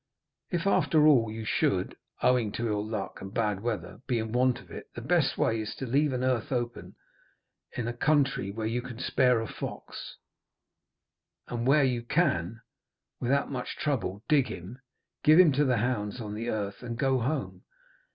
If after all you should, owing to ill luck and bad weather, be in want of it, the best way is to leave an earth open in a country where you can spare a fox, and where you can without much trouble dig him, give him to the hounds on the earth, and go home.